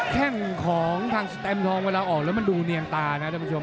แข้งของทางสแตมทองเวลาออกแล้วมันดูเนียนตานะท่านผู้ชม